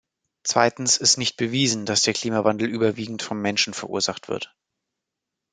Zweitens ist nicht bewiesen, dass der Klimawandel überwiegend vom Menschen verursacht wird.